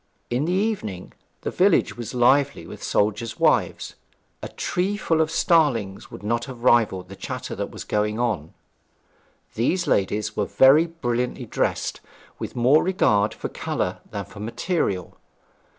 In the evening the village was lively with soldiers' wives; a tree full of starlings would not have rivalled the chatter that was going on. These ladies were very brilliantly dressed, with more regard for colour than for material.